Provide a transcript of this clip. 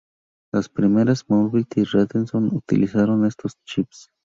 Las primeras "Mobility Radeon" utilizaron estos chips.